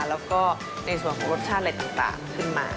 แล้วก็ในส่วนของรสชาติอะไรต่างขึ้นมา